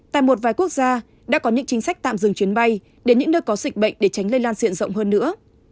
tại một vài quốc gia đã có những chính sách tạm dừng chuyến bay đến những nơi có dịch bệnh để tránh lây lan diễn ra